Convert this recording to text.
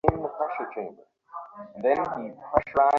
আমরা এভাবেই বাঁচবো, তাই তো?